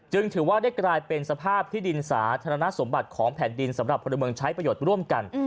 ถือว่าได้กลายเป็นสภาพที่ดินสาธารณสมบัติของแผ่นดินสำหรับพลเมืองใช้ประโยชน์ร่วมกัน